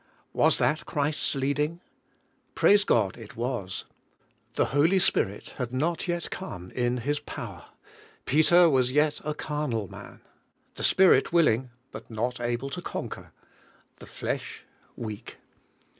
Was that Christ's leading? Praise God, it was. The Holy Spirit had not 3^et come in His power; Peter was yet a carnal man ; the Spirit willing, but not able to con quer; the flesh weak.